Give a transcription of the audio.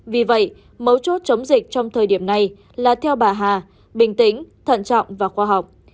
vì vậy mấu chốt chống dịch trong thời điểm này là theo bà hà bình tĩnh thận trọng và khoa học